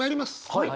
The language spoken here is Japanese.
はい。